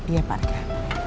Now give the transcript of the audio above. iya pak raka